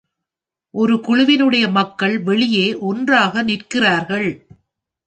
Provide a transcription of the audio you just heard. ஒரு குழுவினுடைய மக்கள் வெளியே ஒன்றாக நிற்கிறார்கள்